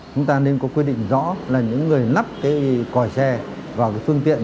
chúng ta nên có quy định rõ là những người lắp còi xe vào phương tiện